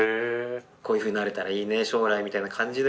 「こういうふうになれたらいいね将来」みたいな感じで。